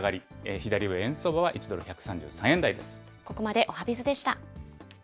左上、円相場は１ドル１３３円台です。